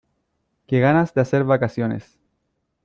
Qué ganas de hacer vacaciones.